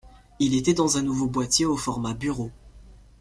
Il était dans un nouveau boîtier au format bureau.